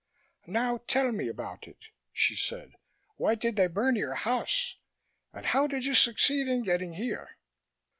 "Now tell me about it," she said. "Why did they burn your house? And how did you succeed in getting here?"